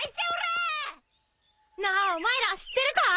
なあお前ら知ってるか？